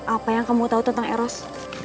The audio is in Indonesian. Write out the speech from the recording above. apa yang kamu tahu tentang eros